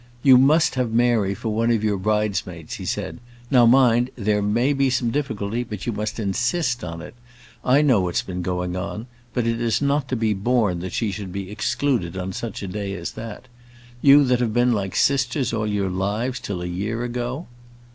"You must have Mary for one of your bridesmaids," he said. "Now, mind; there may be some difficulty, but you must insist on it. I know what has been going on; but it is not to be borne that she should be excluded on such a day as that. You that have been like sisters all your lives till a year ago!"